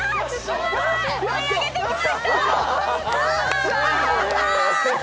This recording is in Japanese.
追い上げてきました。